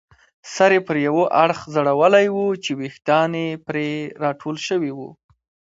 سر یې پر یوه اړخ ځړولی وو چې ویښتان یې پرې راټول شوي وو.